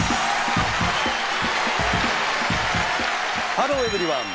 ハローエブリワン！